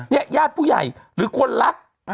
ญาติผู้ใหญ่หรือคนรัก